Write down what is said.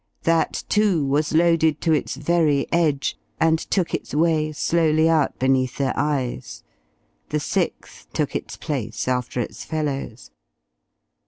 That, too, was loaded to its very edge, and took its way slowly out beneath their eyes. The sixth took its place after its fellows.